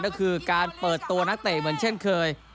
ก็คือการเปิดตัวนักเตะเหมือนเช่นเคย